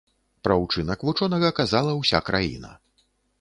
Пра ўчынак вучонага казала ўся краіна.